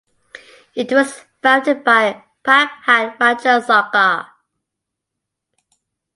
It was founded by Prabhat Ranjan Sarkar.